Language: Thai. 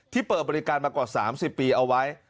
เปิดบริการมากว่า๓๐ปีเอาไว้